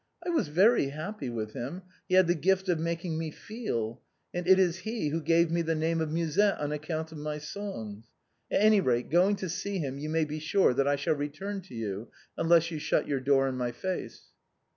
I was very happy with him, he had the gift of making me feel ; and it is he who gave me the name of Musette on account of my songs. At any rate, going to see him you may be sure that I shall return to you .. unless you shut your door in my face."